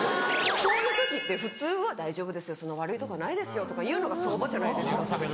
そういう時って普通は「大丈夫ですよ。そんな悪いとこないですよ」とか言うのが相場じゃないですか。